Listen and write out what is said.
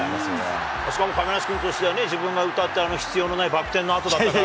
しかも亀梨君としてはね、自分が歌って、必要のないバク転のあとだったから。